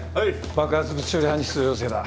爆発物処理班に出動要請だ。